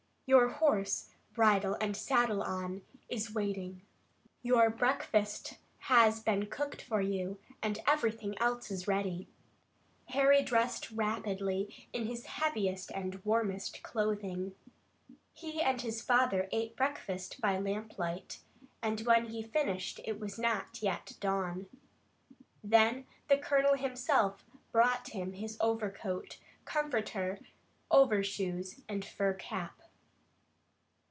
"Your horse, bridle and saddle on, is waiting. Your breakfast has been cooked for you, and everything else is ready." Harry dressed rapidly in his heaviest and warmest clothing. He and his father ate breakfast by lamplight, and when he finished it was not yet dawn. Then the Colonel himself brought him his overcoat, comforter, overshoes, and fur cap.